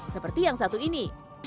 seperti yang satu ini